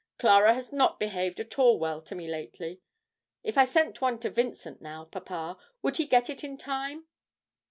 Clara has not behaved at all well to me lately. If I sent one to Vincent now, papa, would he get it in time?'